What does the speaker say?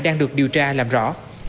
đang được điều tra làm rõ